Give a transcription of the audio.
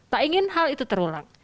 tak ingin hal itu terulang